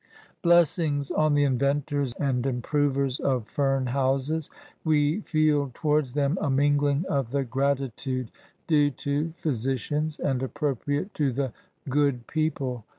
Blessings on the inventors and improvers of fern houses! We feel towards them a mingling of the gratitude due to physicians, and appropriate to the Good People.